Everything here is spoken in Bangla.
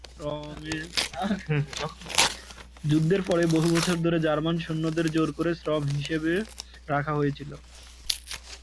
যুদ্ধের পরে বহু বছর ধরে জার্মান সৈন্যদের জোর করে শ্রম হিসাবে রাখা হয়েছিল।